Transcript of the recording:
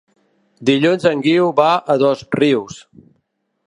Dilluns en Guiu va a Dosrius.